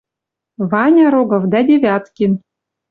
«Ваня Рогов дӓ Девяткин —